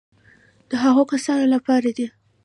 د هغو کسانو لپاره دي.